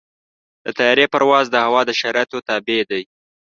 د طیارې پرواز د هوا د شرایطو تابع دی.